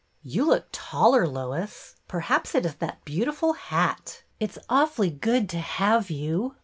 You look taller, Lois. Perhaps it is that beautiful hat. It 's awfully good to have you."